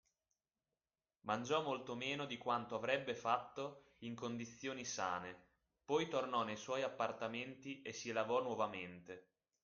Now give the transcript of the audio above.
Mangiò molto meno di quanto avrebbe fatto in condizioni sane, poi tornò nei suoi appartamenti e si lavò nuovamente